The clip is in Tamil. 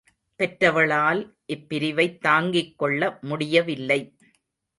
பெற்றவளால் இப்பிரிவைத் தாங்கிக் கொள்ள முடியவில்லை.